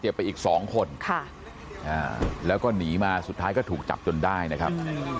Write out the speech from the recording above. ไปอีกสองคนแล้วก็หนีมาสุดท้ายก็ถูกจับจนได้นะครับ